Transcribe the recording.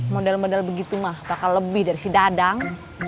modal modal begitu mah apakah lebih dari si dadang